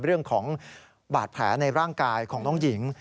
เรื่องของบาดแผลในร่างกายของน้องหญิง